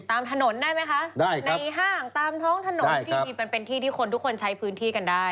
ตามถนนได้ไหมคะได้ในห้างตามท้องถนนที่มีมันเป็นที่ที่คนทุกคนใช้พื้นที่กันได้